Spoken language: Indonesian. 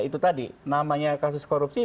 itu tadi namanya kasus korupsi